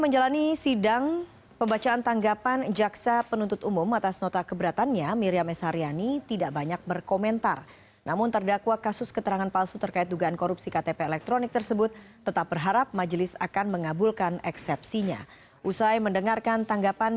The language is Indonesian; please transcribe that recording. jaksa kpk berharap majelis dapat menolak seluruh nota keberatan miriam dan melanjutkan proses peradilan